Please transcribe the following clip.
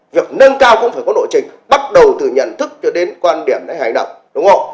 việc nâng cao cũng phải có lộ trình bắt đầu từ nhận thức cho đến quan điểm đấy hành động đúng không